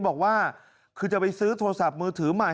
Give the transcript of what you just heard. บอกว่าคือจะไปซื้อโทรศัพท์มือถือใหม่